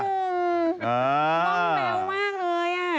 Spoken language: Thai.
นุ่มแบ๊วมากเลย